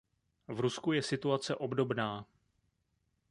V Rusku je situace obdobná.